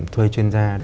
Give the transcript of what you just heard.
thuê chuyên gia